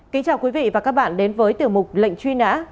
kính chào quý vị và các bạn đến với tiểu mục lệnh truy nã